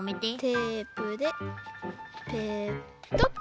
テープでペトッと。